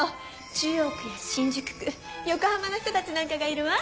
中央区や新宿区横浜の人たちなんかがいるわ。